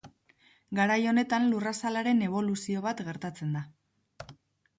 Garai honetan lurrazalaren eboluzio bat gertatzen da.